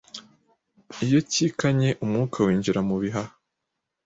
iyo cyikanye umwuka winjira mu bihaha